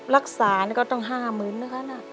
รักษานี่ก็ต้อง๕หนึ่งนะครับ